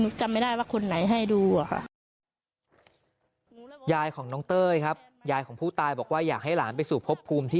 หนูจำไม่ได้ว่าคนไหนให้ดูอ่ะครับ